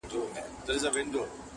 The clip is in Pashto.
• چي ميدان ويني مستيږي -